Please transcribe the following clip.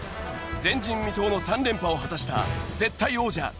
前人未到の３連覇を果たした絶対王者